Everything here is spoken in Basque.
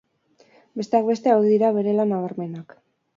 Besteak beste, hauek dira bere lan nabarmenak.